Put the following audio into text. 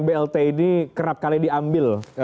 blt ini kerap kali diambil